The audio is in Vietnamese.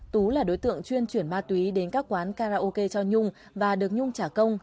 tú là đối tượng chuyên chuyển ma túy đến các quán karaoke cho nhung và được nhung trả công